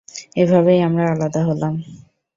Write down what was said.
এভাবেই আমরা আলাদা হলাম।